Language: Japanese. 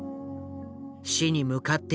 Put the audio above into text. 死に向かっていく